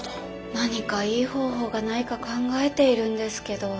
何かいい方法がないか考えているんですけど。